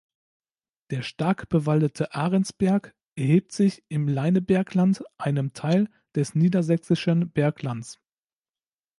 Der stark bewaldete Ahrensberg erhebt sich im Leinebergland, einem Teil des Niedersächsischen Berglands.